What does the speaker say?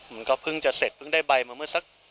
มันก็เพิ่งจะเสร็จเพิ่งได้ใบมาเมื่อสัก